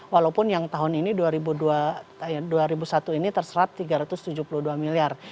walaupun yang tahun ini dua ribu satu ini terserap tiga ratus tujuh puluh dua miliar